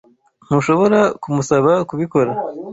Ntushobora kumusaba kubikora.